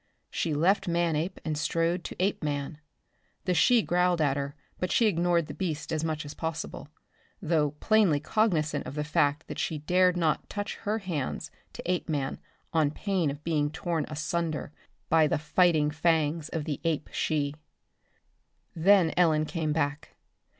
She left Manape and strode to Apeman. The she growled at her but she ignored the beast as much as possible, though plainly cognizant of the fact that she dared not touch her hands to Apeman on pain of being torn asunder by the fighting fangs of the ape she. Then Ellen came back.